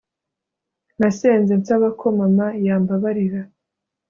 Nasenze nsaba ko mama yambabarira